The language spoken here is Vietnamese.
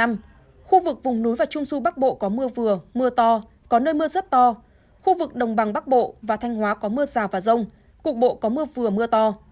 mưa vừa mưa to có nơi mưa rất to khu vực đồng bằng bắc bộ và thanh hóa có mưa rào và rông cục bộ có mưa vừa mưa to